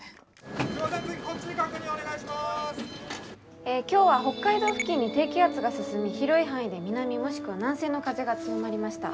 え今日は北海道付近に低気圧が進み広い範囲で南もしくは南西の風が強まりました。